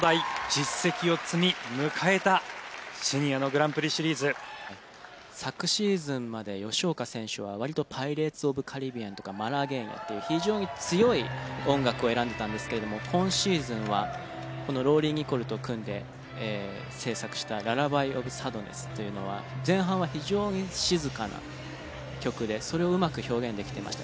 実績を積み迎えたシニアのグランプリシリーズ。昨シーズンまで吉岡選手は割と『パイレーツ・オブ・カリビアン』とか『マラゲーニャ』っていう非常に強い音楽を選んでたんですけれども今シーズンはこのローリー・ニコルと組んで制作した『ＬｕｌｌａｂｙｆｏｒＳａｄｎｅｓｓ』というのは前半は非常に静かな曲でそれをうまく表現できていました。